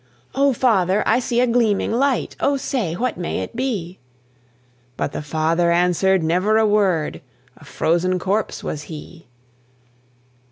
"O father! I see a gleaming light, O say, what may it be?" But the father answered never a word, A frozen corpse was he.